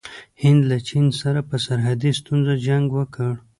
هند له چین سره په سرحدي ستونزه جنګ وکړ.